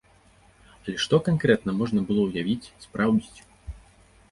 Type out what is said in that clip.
Але што канкрэтна можна было ўявіць, спраўдзіць?